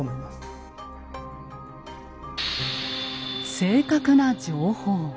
正確な情報。